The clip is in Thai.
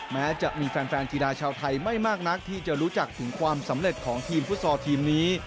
แม้จะมีแฟนกีฬาชาวไทยไม่มากนักที่จะรู้จักถึงความสำเร็จของทีมฟุตซอลทีมนี้